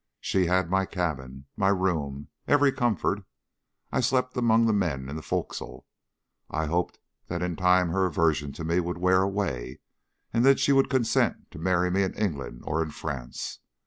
She had my cabin, my room, every comfort. I slept among the men in the forecastle. I hoped that in time her aversion to me would wear away, and that she would consent to marry me in England or in France.